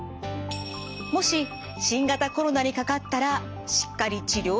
もし新型コロナにかかったらしっかり治療してもらえるの？